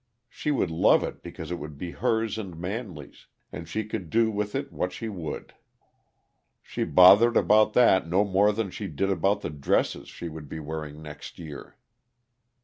She would love it because it would be hers and Manley's, and she could do with it what she would. She bothered about that no more than she did about the dresses she would be wearing next year.